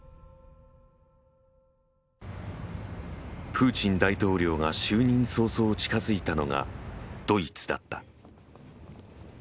プーチン大統領が就任早々近づいたのがドイツだった。